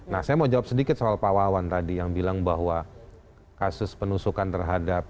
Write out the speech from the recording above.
nah saya mau jawab sedikit soal pak wawan tadi yang bilang bahwa kasus penusukan terhadap